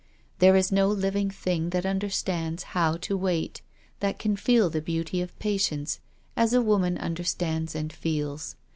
There is no living thing that un derstands how to wait, that can feci the beauty of jjaticnce, as a woman understands and feels.